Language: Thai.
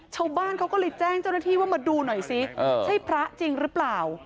ชาวบ้านเขาก็เลยแจ้งเจ้าหน้าที่ว่ามาดูหน่อยซิใช่พระจริงหรือเปล่า